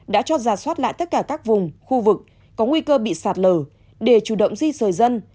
đã cho ra soát lại tất cả các vùng khu vực có nguy cơ bị sạt lở để chủ động di rời dân